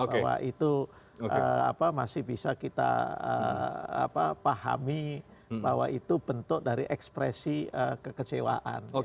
bahwa itu masih bisa kita pahami bahwa itu bentuk dari ekspresi kekecewaan